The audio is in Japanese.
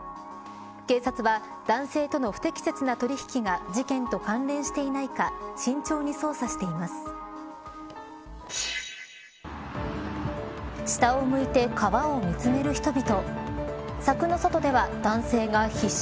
警察は、男性との不適切な取引が事件と関連していないか下を向いて川を見つめる人々。